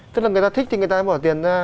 tức là người ta thích thì người ta bỏ tiền ra